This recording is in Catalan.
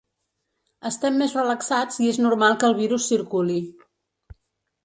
Estem més relaxats i és normal que el virus circuli.